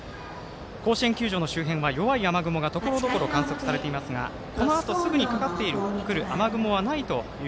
甲子園球場の周辺は弱い雨雲がところどころ観測されていますがこのあとすぐにかかってくる雨雲はないという